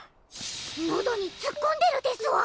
喉に突っ込んでるですわ。